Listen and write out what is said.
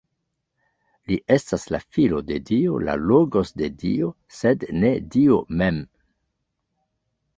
Li estas la Filo de Dio, la "Logos" de Dio, sed ne Dio mem.